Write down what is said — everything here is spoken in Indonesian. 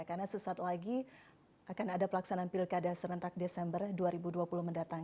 karena sesaat lagi akan ada pelaksanaan pilkada serentak desember dua ribu dua puluh mendatang